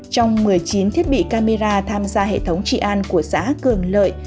trong một mươi chín thiết bị camera tham gia hệ thống trị an của xã cường lợi